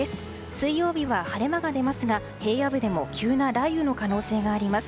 水曜日は晴れ間が出ますが平野部でも急な雷雨の可能性があります。